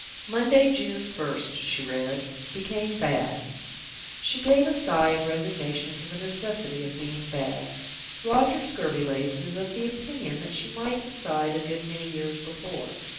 "Monday, June 1st," she read. "Became bad." She gave a sigh of resignation to the necessity of being bad. Roger Scurvilegs is of the opinion that she might have sighed a good many years before.